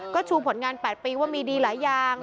ก็ชูผลงาน๘ปีว่ามีดีหลายอย่าง